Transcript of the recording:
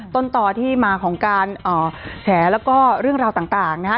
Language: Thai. ต้นต่อที่มาของการแฉแล้วก็เรื่องราวต่างนะฮะ